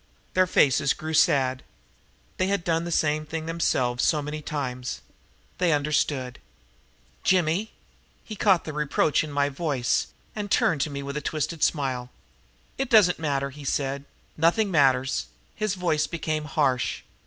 Their faces grew sad. They had done the same thing themselves so many times. They understood. "Jimmy!" He caught the reproach in my voice and turned to me with a twisted smile. "It doesn't matter," he said. "Nothing matters." His voice became harsh.